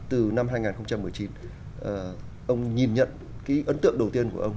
từ năm hai nghìn một mươi chín ông nhìn nhận cái ấn tượng đầu tiên của ông